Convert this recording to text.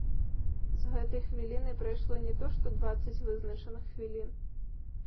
З гэтай хвіліны прайшло не то што дваццаць вызначаных хвілін!